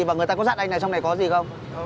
và người ta có dặn anh ở trong này có gì không